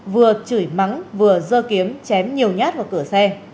vừa chửi mắng vừa dơ kiếm chém nhiều nhát vào cửa xe